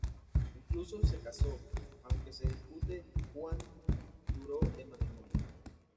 Incluso se casó, aunque se discute cuánto duró el matrimonio.